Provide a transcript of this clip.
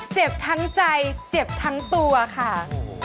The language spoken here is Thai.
เจ็บทั้งใจเจ็บทั้งตัวค่ะ